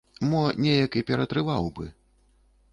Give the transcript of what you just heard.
Мо неяк і ператрываў бы.